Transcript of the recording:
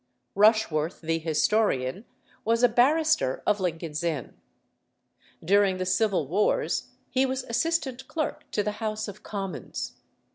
Rushworth the historian was a barrister of Lincoln's Inn. During the Civil Wars he was assistant clerk to the House of Commons.